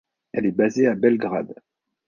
Elle est basée à Belgrade.